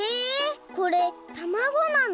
これたまごなの！？